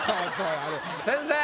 先生！